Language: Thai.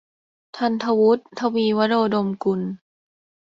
ธันย์ฐวุฒิ ทวีวโรดมกุล